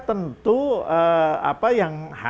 tentu apa yang